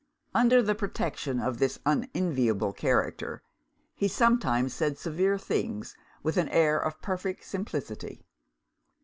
Under the protection of this unenviable character, he sometimes said severe things with an air of perfect simplicity.